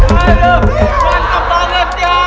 mantap banget ya